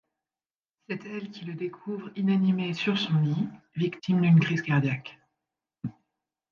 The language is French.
C'est elle qui le découvre inanimé sur son lit, victime d'une crise cardiaque.